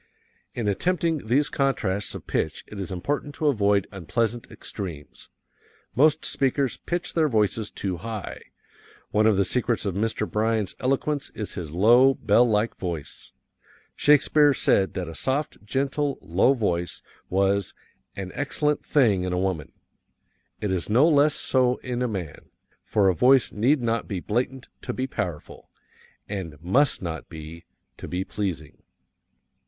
In attempting these contrasts of pitch it is important to avoid unpleasant extremes. Most speakers pitch their voices too high. One of the secrets of Mr. Bryan's eloquence is his low, bell like voice. Shakespeare said that a soft, gentle, low voice was "an excellent thing in woman;" it is no less so in man, for a voice need not be blatant to be powerful, and must not be, to be pleasing.